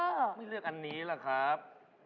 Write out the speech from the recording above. ไม่เลือกอันนี้ล่ะครับ